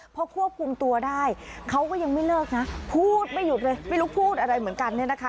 พอควบคุมตัวได้เขาก็ยังไม่เลิกนะพูดไม่หยุดเลยไม่รู้พูดอะไรเหมือนกันเนี่ยนะคะ